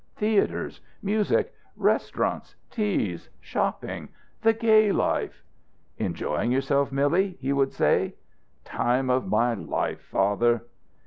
Theatres! Music! Restaurants! Teas! Shopping! The gay life! "Enjoying yourself, Milly?" he would say. "Time of my life, father."